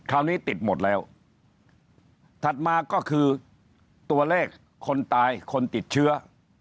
คราวนี้ติดหมดแล้วถัดมาก็คือตัวเลขคนตายคนติดเชื้อ